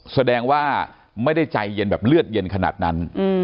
แสดงว่าไม่ได้ใจเย็นแบบเลือดเย็นขนาดนั้น